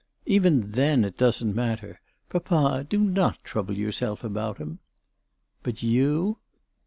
" Even then it doesn't matter. Papa, do not trouble yourself about him." " But you